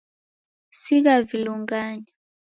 Sigha vilunganya.